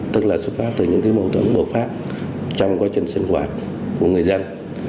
tức là xuất phát từ những cái mâu thuẫn bầu phát trong quá trình sinh hoạt của người dân